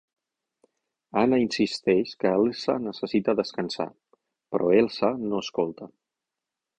Anna insisteix que Elsa necessita descansar, però Elsa no escolta.